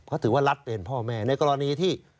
เขาถือว่ารัฐเป็นพ่อแม่ในกรณีที่